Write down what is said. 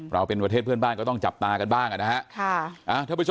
เราเป็นประเทศเพื่อนบ้านก็ต้องจับตากันบ้างนะฮะ